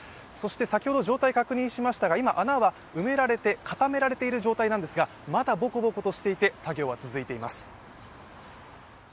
先ほど、状態を確認いたしましたが今穴は埋められて固められている状態なんですがまだ、ボコボコとしていて作業は続いています。